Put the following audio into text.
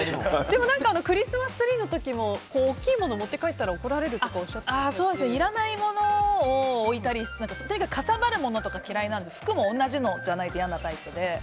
クリスマスツリーの時も大きいものを持って帰ったら怒られるとかいらないものを置いたりとにかくかさばるものとか嫌いなので服も同じものじゃないと嫌なタイプなので。